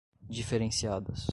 diferenciadas